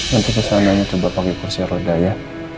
nanti kesananya coba pake kursi roda ya